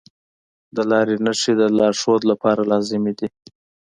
د لارې نښې د لارښود لپاره لازمي دي.